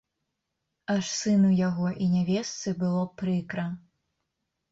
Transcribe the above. Аж сыну яго і нявестцы было прыкра.